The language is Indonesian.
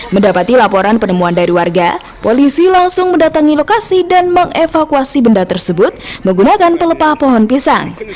mendapati laporan penemuan dari warga polisi langsung mendatangi lokasi dan mengevakuasi benda tersebut menggunakan pelepah pohon pisang